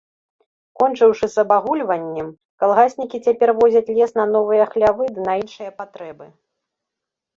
Кончыўшы з абагульваннем, калгаснікі цяпер возяць лес на новыя хлявы ды на іншыя патрэбы.